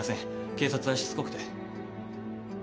警察はしつこくて。